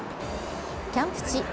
キャンプ地